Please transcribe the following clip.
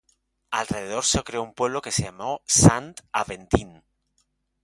Alrededor se creó un pueblo que se llamó Saint-Aventin.